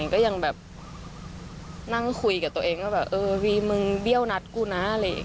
ก็ยังนั่งคุยกับตัวเองว่าวีมึงเบี้ยวนัดกูนะ